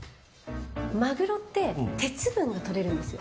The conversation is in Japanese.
マグロって鉄分がとれるんですよ。